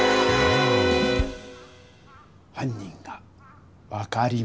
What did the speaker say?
はん人が分かりました。